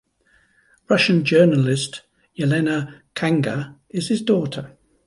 Russian journalist Yelena Khanga is his daughter.